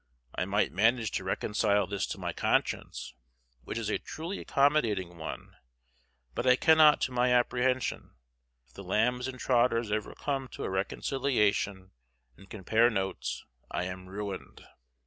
I might manage to reconcile this to my conscience, which is a truly accommodating one, but I cannot to my apprehension: if the Lambs and Trotters ever come to a reconciliation and compare notes, I am ruined!